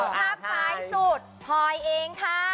ภาพซ้ายสุดพลอยเองค่ะ